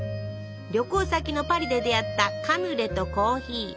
旅行先のパリで出会ったカヌレとコーヒー。